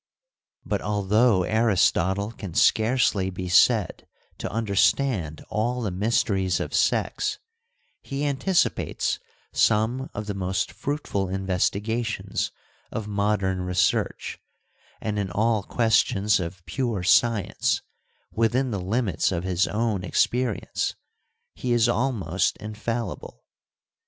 But although Aristotle can scarcely be said to understand all the mysteries of sex, he anticipates some of the most fruitful investigations of modern research, and in all questions of pure science, within the limits of his own experience, he is almost in fallible.